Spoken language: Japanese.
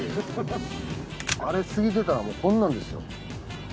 あれ過ぎてたらこんなんですよ。